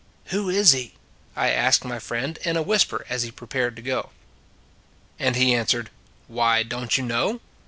" Who is he? " I asked my friend in a whisper as he prepared to go. And he answered: "Why, don t you know?